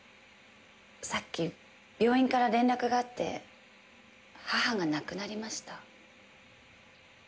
さっき病院から連絡があって母が亡くなりました。